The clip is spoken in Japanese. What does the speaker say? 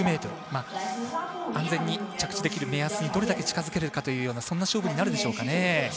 安全に着地できる目安にどれだけ近づけるかというそんな勝負になるでしょうか。